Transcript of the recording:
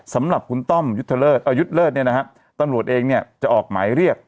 สำหรับคุณต้อมยุทธเลิศตำรวจเองจะออกหมายเรียก